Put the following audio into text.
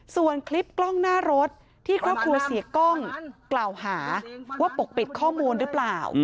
ส่วนคลิปกล้องหน้ารถที่ครอบครัวเสียกล้องกล่าวหาว่าปกปิดข้อมูลหรือเปล่า